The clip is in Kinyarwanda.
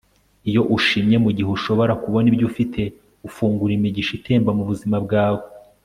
iyo ushimye - mugihe ushobora kubona ibyo ufite - ufungura imigisha itemba mubuzima bwawe